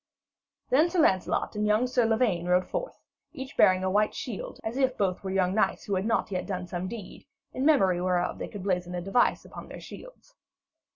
Then Sir Lancelot and young Sir Lavaine rode forth, each bearing a white shield, as if both were young knights who had not yet done some deed, in memory whereof they could blazon a device upon their shields.